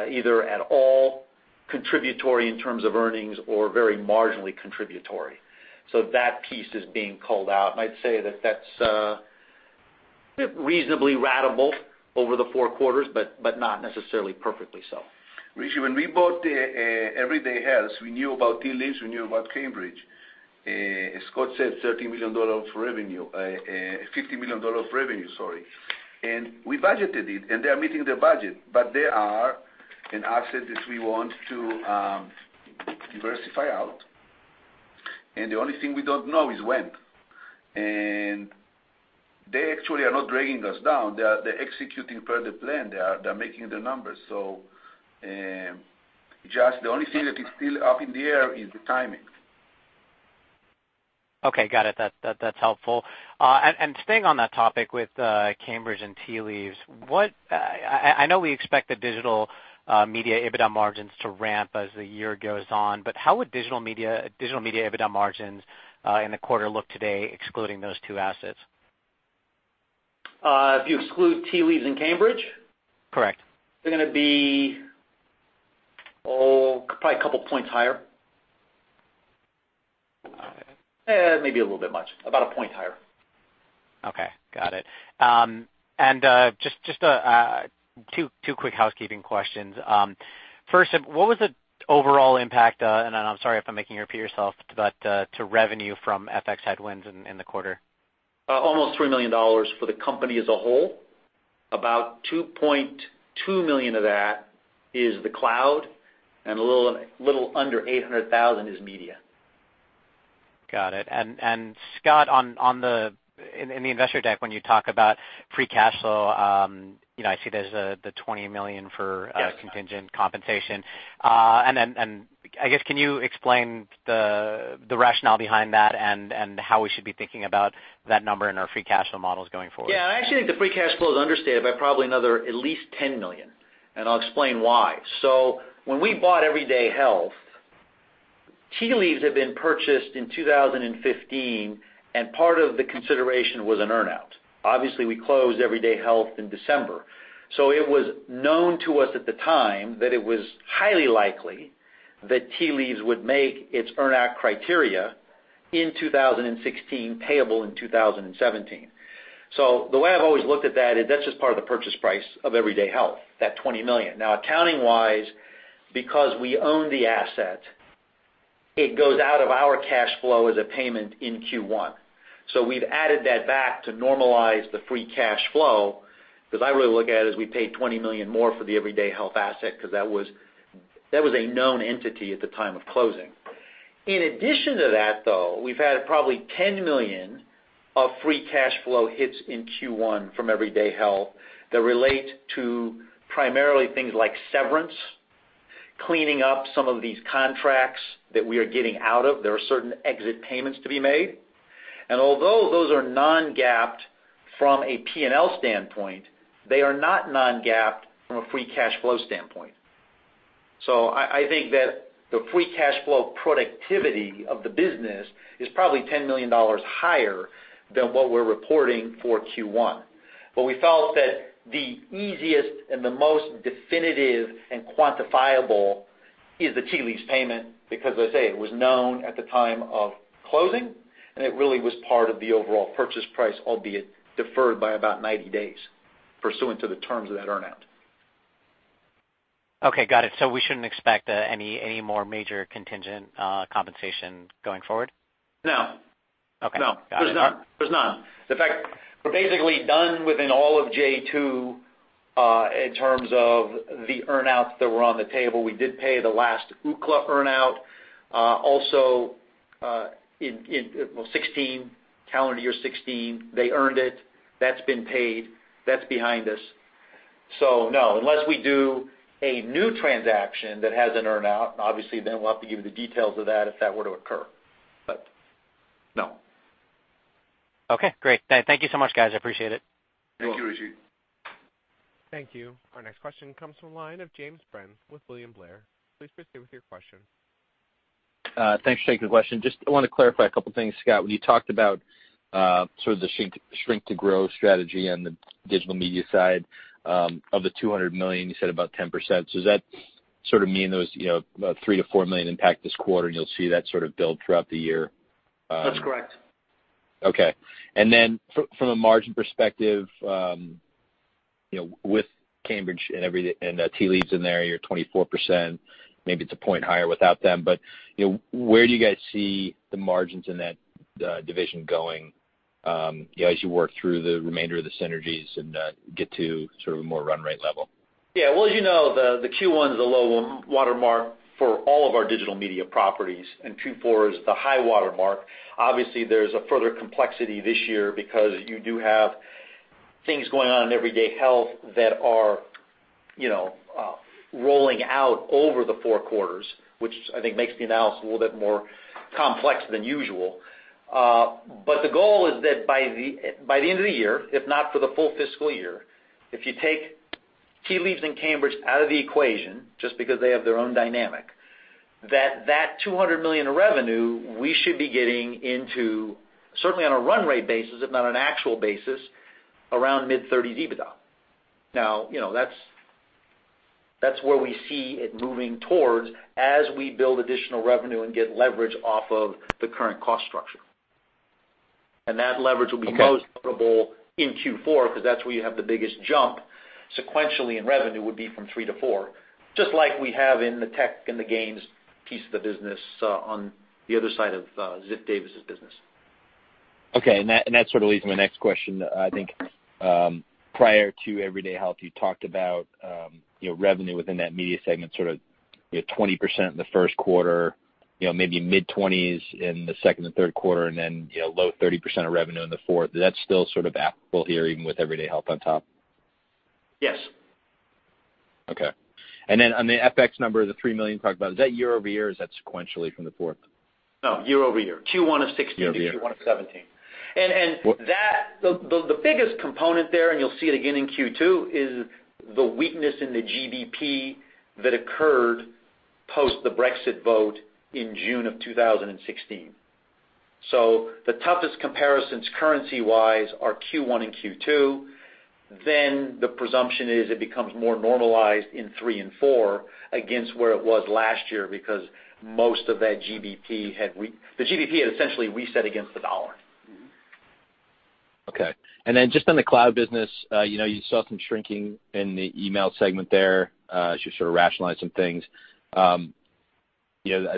either at all contributory in terms of earnings or very marginally contributory. That piece is being called out, and I'd say that that's reasonably ratable over the four quarters, but not necessarily perfectly so. Rishi, when we bought Everyday Health, we knew about Tea Leaves, we knew about Cambridge. Scott said $30 million of revenue, $50 million of revenue, sorry. We budgeted it, and they are meeting their budget, but they are an asset that we want to diversify out. The only thing we don't know is when. They actually are not dragging us down. They're executing per the plan. They are making the numbers. Just the only thing that is still up in the air is the timing. Okay. Got it. That's helpful. Staying on that topic with Cambridge and Tea Leaves, I know we expect the digital media EBITDA margins to ramp as the year goes on, but how would digital media EBITDA margins in the quarter look today excluding those two assets? If you exclude Tea Leaves and Cambridge? Correct. They're going to be, probably a couple points higher. Okay. Maybe a little bit much. About a point higher. Okay. Got it. Just two quick housekeeping questions. First, what was the overall impact, and I'm sorry if I'm making you repeat yourself, but to revenue from FX headwinds in the quarter? Almost $3 million for the company as a whole. About $2.2 million of that is the cloud, and a little under $800,000 is media. Got it. Scott, in the investor deck, when you talk about free cash flow, I see there's the $20 million for Yes contingent compensation. Then, I guess, can you explain the rationale behind that and how we should be thinking about that number in our free cash flow models going forward? Yeah. I actually think the free cash flow is understated by probably another at least $10 million, and I'll explain why. When we bought Everyday Health, Tea Leaves had been purchased in 2015, and part of the consideration was an earn-out. Obviously, we closed Everyday Health in December. It was known to us at the time that it was highly likely that Tea Leaves would make its earn-out criteria in 2016, payable in 2017. The way I've always looked at that is that's just part of the purchase price of Everyday Health, that $20 million. Now, accounting-wise, because we own the asset, it goes out of our cash flow as a payment in Q1. We've added that back to normalize the free cash flow because I really look at it as we paid $20 million more for the Everyday Health asset because that was a known entity at the time of closing. In addition to that, though, we've had probably $10 million of free cash flow hits in Q1 from Everyday Health that relate to primarily things like severance, cleaning up some of these contracts that we are getting out of. There are certain exit payments to be made. Although those are non-GAAP from a P&L standpoint, they are not non-GAAP from a free cash flow standpoint. I think that the free cash flow productivity of the business is probably $10 million higher than what we're reporting for Q1. We felt that the easiest, and the most definitive, and quantifiable is the Tea Leaves payment because as I say, it was known at the time of closing, and it really was part of the overall purchase price, albeit deferred by about 90 days pursuant to the terms of that earn-out. Okay, got it. We shouldn't expect any more major contingent compensation going forward? No. Okay. Got it. There's none. In fact, we're basically done within all of j2, in terms of the earn-outs that were on the table. We did pay the last Ookla earn-out. Also in calendar year 2016, they earned it. That's been paid. That's behind us. No, unless we do a new transaction that has an earn-out, obviously then we'll have to give you the details of that if that were to occur, but no. Okay, great. Thank you so much, guys. I appreciate it. Thank you, Rishi. Thank you. Our next question comes from the line of James Breen with William Blair. Please proceed with your question. Thanks, Rishi. Good question. Just want to clarify a couple things, Scott. When you talked about sort of the shrink to grow strategy on the digital media side, of the $200 million, you said about 10%. Does that sort of mean those about $3 million-$4 million impact this quarter, and you'll see that sort of build throughout the year? That's correct. Okay. From a margin perspective, with Cambridge and Tea Leaves in there, you're 24%, maybe it's a point higher without them, but where do you guys see the margins in that division going as you work through the remainder of the synergies and get to sort of a more run rate level? Yeah. Well, as you know, the Q1 is a low watermark for all of our digital media properties, Q4 is the high watermark. Obviously, there's a further complexity this year because you do have things going on in Everyday Health that are rolling out over the four quarters, which I think makes the analysis a little bit more complex than usual. The goal is that by the end of the year, if not for the full fiscal year, if you take Tea Leaves and Cambridge out of the equation, just because they have their own dynamic, that $200 million of revenue we should be getting into, certainly on a run rate basis, if not an actual basis, around mid-30s EBITDA. Now, that's where we see it moving towards as we build additional revenue and get leverage off of the current cost structure. That leverage will be most notable in Q4 because that's where you have the biggest jump sequentially in revenue would be from three to four, just like we have in the tech and the games piece of the business on the other side of Ziff Davis' business. Okay, that sort of leads to my next question. I think, prior to Everyday Health, you talked about revenue within that media segment sort of 20% in the first quarter, maybe mid-20s in the second and third quarter, then low 30% of revenue in the fourth. Is that still sort of applicable here, even with Everyday Health on top? Yes. Okay. Then on the FX number, the $3 million you talked about, is that year-over-year, or is that sequentially from the fourth? No, year-over-year. Q1 of 2016 to Q1 of 2017. Year-over-year. The biggest component there, you'll see it again in Q2, is the weakness in the GBP that occurred post the Brexit vote in June of 2016. The toughest comparisons currency-wise are Q1 and Q2. The presumption is it becomes more normalized in three and four against where it was last year because the GBP had essentially reset against the USD. Okay. Then just on the cloud business, you saw some shrinking in the email segment there as you sort of rationalized some things. I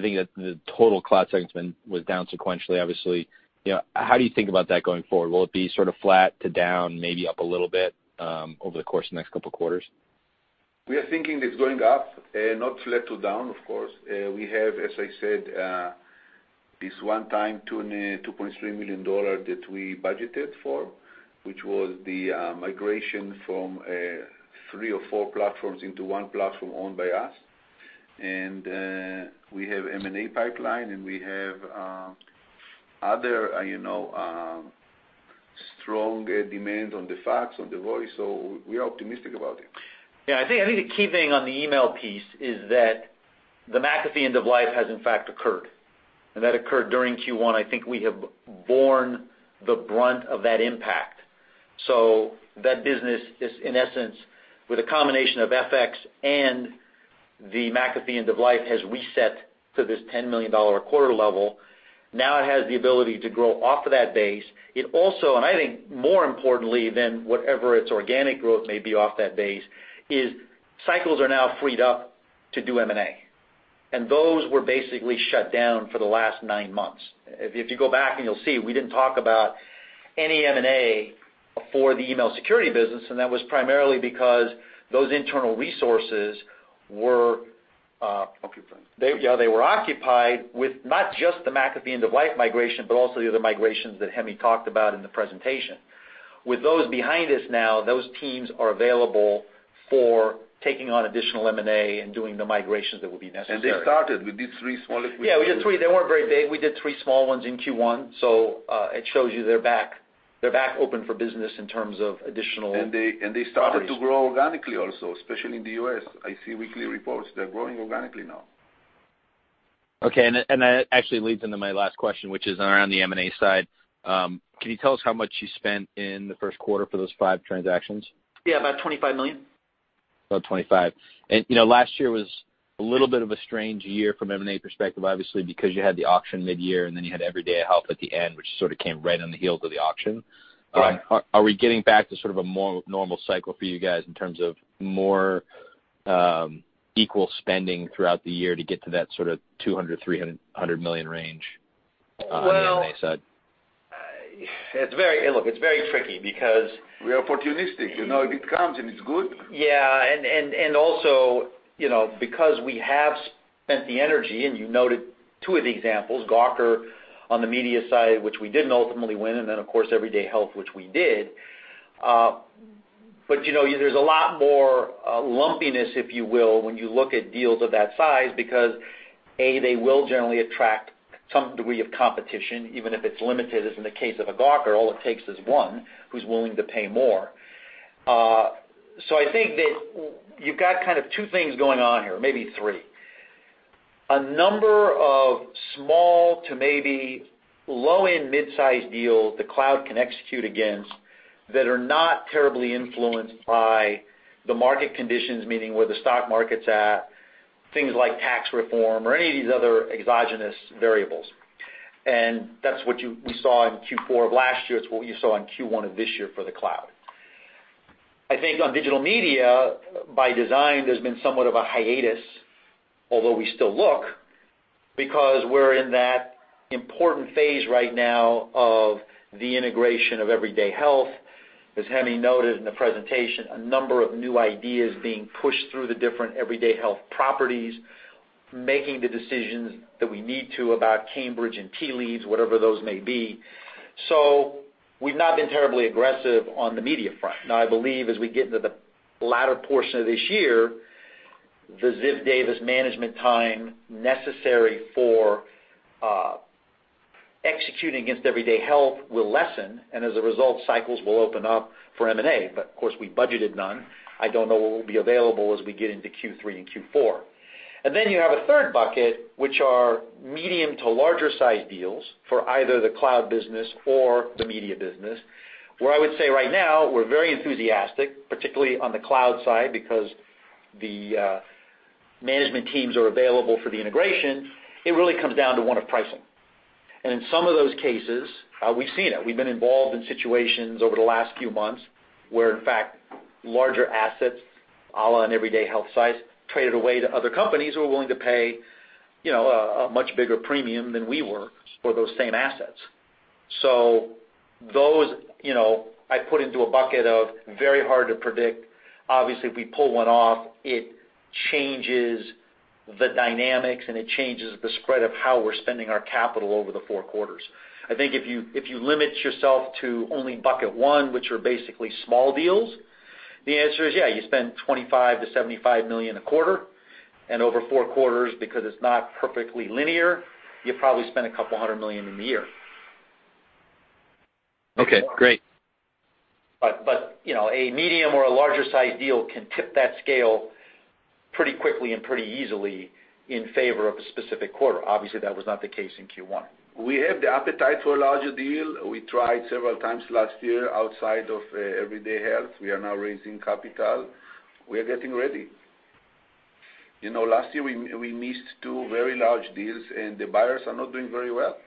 think that the total cloud segment was down sequentially, obviously. How do you think about that going forward? Will it be sort of flat to down, maybe up a little bit, over the course of the next couple of quarters? We are thinking it's going up, not flat to down, of course. We have, as I said, this one time, $2.3 million that we budgeted for, which was the migration from three or four platforms into one platform owned by us. We have M&A pipeline, we have other strong demand on the fax, on the voice. We are optimistic about it. I think the key thing on the email piece is that the McAfee end-of-life has in fact occurred, that occurred during Q1. I think we have borne the brunt of that impact. That business is, in essence, with a combination of FX and the McAfee end-of-life, has reset to this $10 million a quarter level. Now it has the ability to grow off of that base. It also, I think more importantly than whatever its organic growth may be off that base, is cycles are now freed up to do M&A. Those were basically shut down for the last nine months. If you go back, you'll see, we didn't talk about any M&A for the email security business, that was primarily because those internal resources were- Occupied They were occupied with not just the McAfee end-of-life migration, but also the other migrations that Hemi talked about in the presentation. With those behind us now, those teams are available for taking on additional M&A and doing the migrations that will be necessary. They started with these three small acquisitions. We did three. They weren't very big. We did three small ones in Q1. It shows you they're back. They're back open for business. They started to grow organically also, especially in the U.S. I see weekly reports. They're growing organically now. That actually leads into my last question, which is around the M&A side. Can you tell us how much you spent in the first quarter for those five transactions? Yeah, about $25 million. About $25. Last year was a little bit of a strange year from an M&A perspective, obviously, because you had the auction mid-year, then you had Everyday Health at the end, which sort of came right on the heels of the auction. Right. Are we getting back to sort of a more normal cycle for you guys in terms of more equal spending throughout the year to get to that sort of $200 million-$300 million range on the M&A side? Well, look, it's very tricky because. We are opportunistic. If it comes, and it's good. Yeah, because we have spent the energy, and you noted two of the examples, Gawker on the media side, which we didn't ultimately win, and then, of course, Everyday Health, which we did. There's a lot more lumpiness, if you will, when you look at deals of that size because, A, they will generally attract some degree of competition, even if it's limited, as in the case of a Gawker. All it takes is one who's willing to pay more. I think that you've got kind of two things going on here, maybe three. A number of small to maybe low-end mid-size deals that cloud can execute against that are not terribly influenced by the market conditions, meaning where the stock market's at, things like tax reform or any of these other exogenous variables. That's what we saw in Q4 of last year. It's what you saw in Q1 of this year for the cloud. I think on digital media, by design, there's been somewhat of a hiatus, although we still look, because we're in that important phase right now of the integration of Everyday Health. As Hemi noted in the presentation, a number of new ideas being pushed through the different Everyday Health properties, making the decisions that we need to about Cambridge and Tea Leaves, whatever those may be. We've not been terribly aggressive on the media front. I believe as we get into the latter portion of this year, the Ziff Davis management time necessary for executing against Everyday Health will lessen, and as a result, cycles will open up for M&A. Of course, we budgeted none. I don't know what will be available as we get into Q3 and Q4. You have a third bucket, which are medium to larger-sized deals for either the cloud business or the media business, where I would say right now, we're very enthusiastic, particularly on the cloud side, because the management teams are available for the integration. It really comes down to one of pricing. In some of those cases, we've seen it. We've been involved in situations over the last few months where, in fact, larger assets a la an Everyday Health size traded away to other companies who are willing to pay a much bigger premium than we were for those same assets. Those, I put into a bucket of very hard to predict. Obviously, if we pull one off, it changes the dynamics, and it changes the spread of how we're spending our capital over the four quarters. I think if you limit yourself to only bucket 1, which are basically small deals, the answer is, yeah, you spend $25 million-$75 million a quarter. Over four quarters, because it's not perfectly linear, you probably spend $200 million in the year. Okay, great. A medium or a larger-sized deal can tip that scale pretty quickly and pretty easily in favor of a specific quarter. Obviously, that was not the case in Q1. We have the appetite for a larger deal. We tried several times last year outside of Everyday Health. We are now raising capital. We are getting ready. Last year, we missed two very large deals, and the buyers are not doing very well.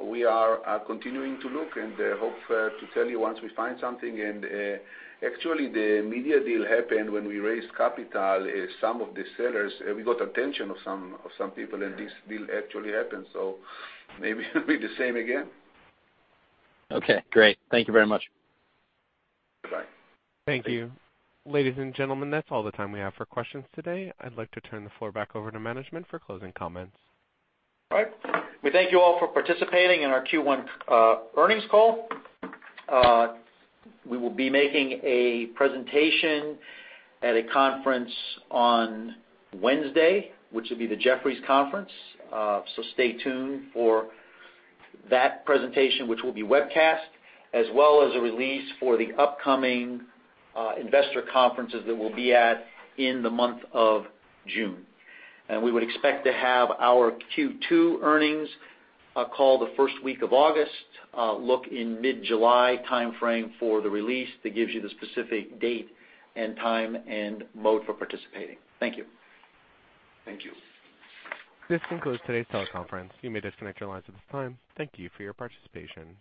We are continuing to look and hope to tell you once we find something. Actually, the media deal happened when we raised capital. Some of the sellers, we got attention of some people, and this deal actually happened. Maybe it'll be the same again. Okay, great. Thank you very much. Bye. Thank you. Ladies and gentlemen, that's all the time we have for questions today. I'd like to turn the floor back over to management for closing comments. All right. We thank you all for participating in our Q1 earnings call. We will be making a presentation at a conference on Wednesday, which will be the Jefferies conference. Stay tuned for that presentation, which will be webcast, as well as a release for the upcoming investor conferences that we'll be at in the month of June. We would expect to have our Q2 earnings call the first week of August. Look in mid-July timeframe for the release that gives you the specific date and time, and mode for participating. Thank you. Thank you. This concludes today's teleconference. You may disconnect your lines at this time. Thank you for your participation.